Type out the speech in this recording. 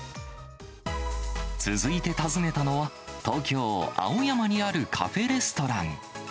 続いて訪ねたのは、東京・青山にあるカフェレストラン。